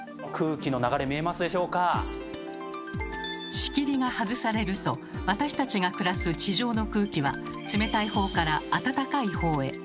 仕切りが外されると私たちが暮らす地上の空気は冷たいほうからあたたかいほうへ。